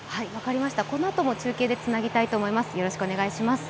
このあとも中継でつなぎたいと思います。